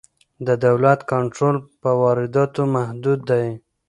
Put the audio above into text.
د دولت کنټرول پر وارداتو محدود دی.